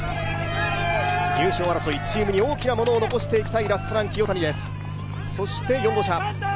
入賞争い、チームに大きなものを残していきたいラストラン・清谷です。